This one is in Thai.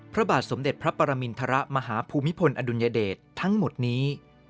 พระบาทสมเด็จพระปรมินทรมาฮภูมิพลอดุลยเดชทั้งหมดนี้